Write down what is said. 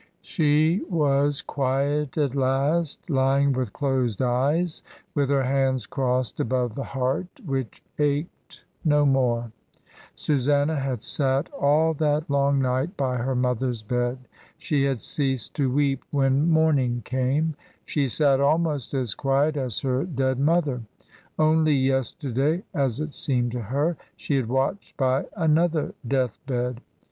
She was quiet at last, lying with closed eyes, with her hands crossed above the heart which ached no more. Susanna had sat all that long night by her mother's bed. She had ceased to weep when morning came. She sat almost as quiet as her dead mother. Only yesterday, as it seemed to her, she had watched by another death bed.